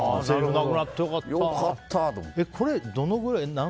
なくなって良かったと思って。